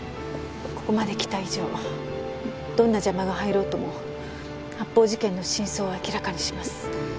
ここまで来た以上どんな邪魔が入ろうとも発砲事件の真相を明らかにします。